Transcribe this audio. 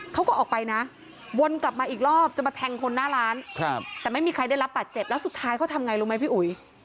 เขาก็ออกไปนะวนกลับมาอีกรอบจะมาแทงคนหน้าร้านแต่ไม่มีใครได้รับบาดเจ็บแล้วสุดท้ายเขาทำไงรู้ไหมพี่อุ๋ย